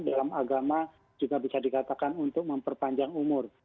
dalam agama juga bisa dikatakan untuk memperpanjang umur